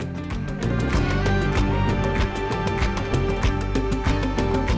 justru hal yang ditunggu tunggu